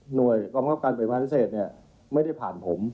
หน่วยกรรมความการเป็นผู้อาทิตย์ที่เนี่ยไม่ได้ผ่านผม